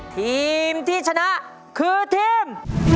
ทีมที่ชนะคือทีม